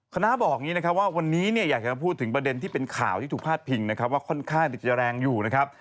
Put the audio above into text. คณะบอกว่าวันนี้อยากจะพูดถึงประเด็นที่เป็นข่าวที่ถูกพลาดพิงว่าค่อนข้างจะแรงอยู่นะครับ